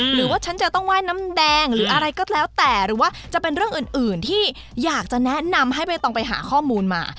หรือว่าฉันจะต้องว่ายน้ำแดงหรืออะไรก็แล้วแต่หรือว่าจะเป็นเรื่องอื่นที่อยากจะแนะนำให้ใบตองไปหาข้อมูลมา